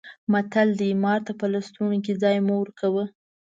متل دی: مار ته په لستوڼي کې ځای مه ورکوه.